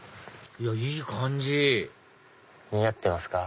いやいい感じ似合ってますか？